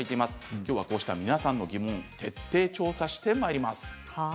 きょうは、こうした皆さんの疑問徹底調査してまいります。